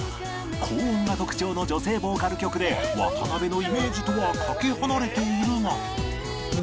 高音が特徴の女性ボーカル曲で渡部のイメージとはかけ離れているが